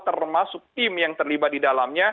termasuk tim yang terlibat di dalamnya